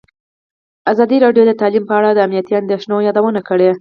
ازادي راډیو د تعلیم په اړه د امنیتي اندېښنو یادونه کړې.